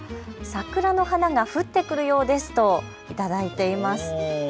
桜の花が降ってくるようですと頂いています。